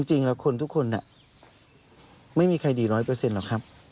จริงแล้วคนทุกคนไม่มีใครดีร้อยเปอร์เซ็นหรอกครับ